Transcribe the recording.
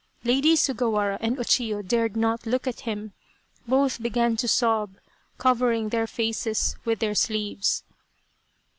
Lady Sugawara and O Chiyo dared not look at him. Both began to sob, covering their faces with their sleeves.